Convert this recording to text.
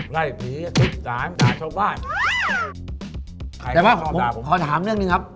ไล่ผีสุดสามจ่ายโชว์บ้านแต่ว่าขอถามเรื่องหนึ่งครับ